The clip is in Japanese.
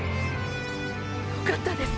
よかったです